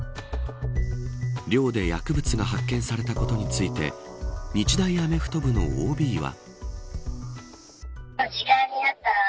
寮で薬物が発見されたことについて日大アメフト部のＯＢは。